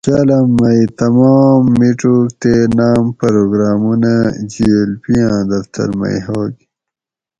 کالم مئ تمام میڄوک تے ناۤم پروگرامونہ جی ایل پی آں دفتر مئ ھوگ